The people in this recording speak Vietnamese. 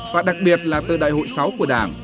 và đặc biệt là từ đại hội sáu của đảng